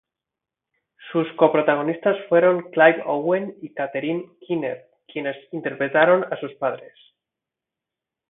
Sus coprotagonistas fueron Clive Owen y Catherine Keener quienes interpretaron a sus padres.